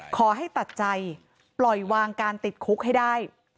ขอให้ตัดใจปล่อยวางการติดคุกให้ได้